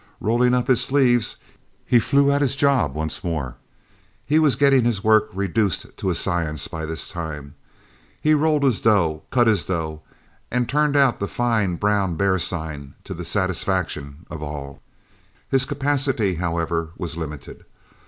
Rolling up his sleeves, he flew at his job once more. He was getting his work reduced to a science by this time. He rolled his dough, cut his dough, and turned out the fine brown bear sign to the satisfaction of all. "His capacity, however, was limited.